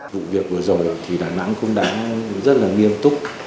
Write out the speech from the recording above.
vụ việc vừa rồi thì đà nẵng cũng đã rất là nghiêm túc